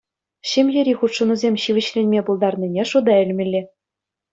Ҫемьери хутшӑнусем ҫивӗчленме пултарнине шута илмелле.